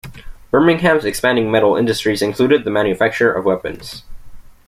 Birmingham's expanding metal industries included the manufacture of weapons.